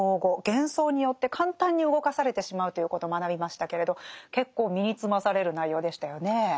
幻想によって簡単に動かされてしまうということを学びましたけれど結構身につまされる内容でしたよね。